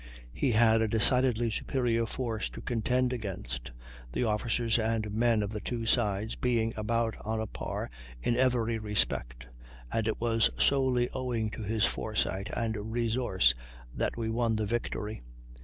He had a decidedly superior force to contend against, the officers and men of the two sides being about on a par in every respect; and it was solely owing to his foresight and resource that we won the victory.